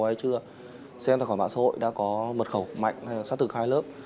với các tài khoản email hay tài khoản mã xã hội đã có mật khẩu mạnh hay là xác thực hai lớp